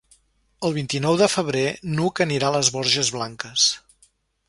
El vint-i-nou de febrer n'Hug anirà a les Borges Blanques.